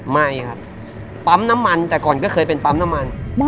ไม่ครับปั๊มน้ำมันแต่ก่อนก็เคยเป็นปั๊มน้ำมัน